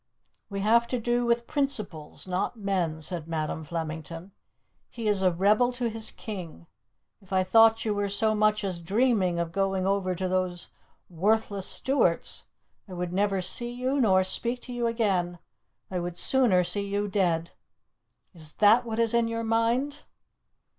"We have to do with principles, not men," said Madam Flemington. "He is a rebel to his King. If I thought you were so much as dreaming of going over to those worthless Stuarts, I would never see you nor speak to you again. I would sooner see you dead. Is that what is in your mind?"